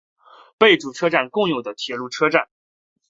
贝冢车站共用的铁路车站。